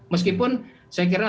meskipun saya kira